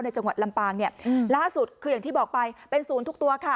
จังหวัดลำปางเนี่ยล่าสุดคืออย่างที่บอกไปเป็นศูนย์ทุกตัวค่ะ